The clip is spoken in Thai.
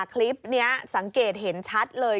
คลิปนี้สังเกตเห็นชัดเลย